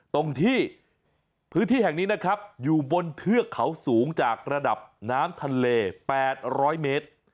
ตรงที่พื้นที่แห่งนี้นะครับอยู่บนเทือกเขาสูงจากระดับน้ำทะเล๘๐๐เมตร